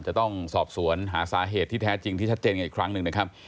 จะต้องสอบสวนหาสาเหตุที่แท้จริงที่ชัดเจนกันอีกครั้งหนึ่งนะครับ